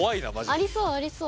ありそうありそう！